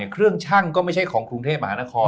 เครื่องชั่งก็ไม่ใช่ของกรุงเทพมหานคร